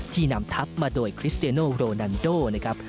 นำทับมาโดยคริสเตโนโรนันโดนะครับ